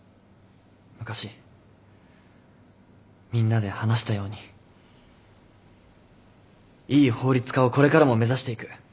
昔みんなで話したようにいい法律家をこれからも目指していく。